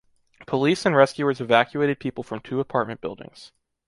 Police and rescuers evacuated people from two apartment buildings.